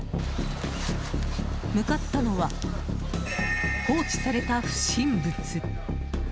向かったのは放置された不審物。